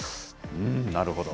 なるほど。